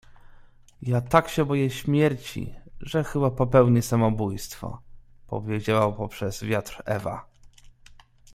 — Ja tak się boję śmierci, że chyba popełnię samobój stwo — powiedziała poprzez wiatr Ewa.